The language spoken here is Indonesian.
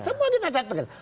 semua kita datangkan